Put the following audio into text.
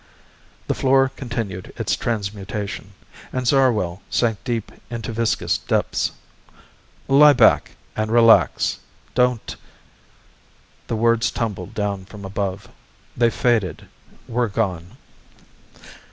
The floor continued its transmutation, and Zarwell sank deep into viscous depths. "Lie back and relax. Don't ..." The words tumbled down from above. They faded, were gone.